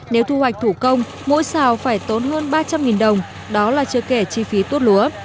nếu thu hoạch thủ công mỗi xào phải tốn hơn ba trăm linh đồng đó là chưa kể chi phí tuốt lúa